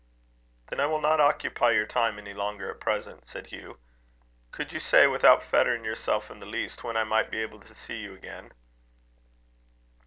"Then I will not occupy your time any longer at present," said Hugh. "Could you say, without fettering yourself in the least, when I might be able to see you again?"